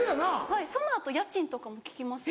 はいその後家賃とかも聞きます。